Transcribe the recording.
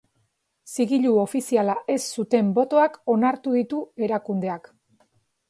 Zigilu ofiziala ez zuten botoak onartu ditu erakundeak.